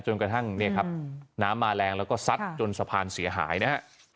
กระทั่งเนี่ยครับน้ำมาแรงแล้วก็ซัดจนสะพานเสียหายนะฮะ